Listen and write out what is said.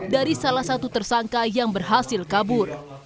dari salah satu tersangka yang berhasil kabur